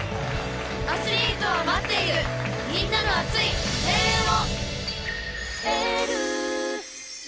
アスリートは待っているみんなの熱い声援を！